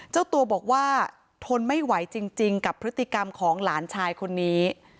เจ้าตัวบอกว่าทนไม่ไหวจริงกับพฤติกรรมของหลานชายคนนี้